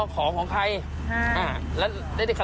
อ๋อของของใคร